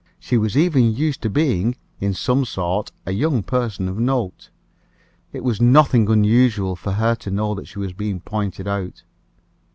She was even used to being, in some sort, a young person of note. It was nothing unusual for her to know that she was being pointed out.